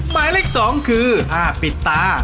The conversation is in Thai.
หมายเลขสองคือภาพปิดตา